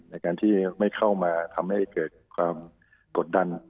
ในการที่ไม่เข้ามาทำให้เกิดความกดดัน